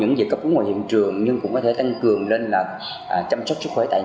những việc cấp cứu ngoài hiện trường nhưng cũng có thể tăng cường lên là chăm sóc sức khỏe tại